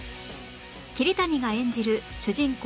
桐谷が演じる主人公